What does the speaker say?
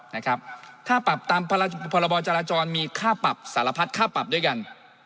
นะครับค่าปรับตามพรบจราจรมีค่าปรับสารพัดค่าปรับด้วยกัน